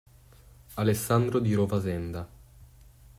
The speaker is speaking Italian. Alessandro Di Rovasenda